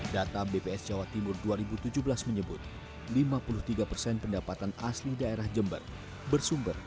data bps jawa timur dua ribu tujuh belas menyebut lima puluh tiga persen pendapatan asli daerah jember bersumber